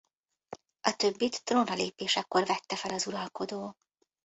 A többit trónra lépésekor vette fel az uralkodó.